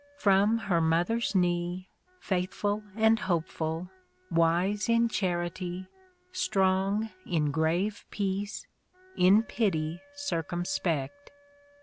From her mother's knee Faithful and hopeful ; wise in charity ; Strong in grave peace ; in pity circumspect.